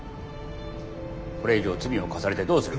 これ以上罪を重ねてどうする。